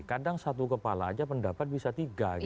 kadang satu kepala aja pendapat bisa tiga